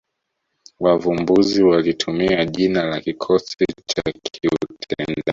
Wavumbuzi walitumia jina la kikosi cha kiutendaji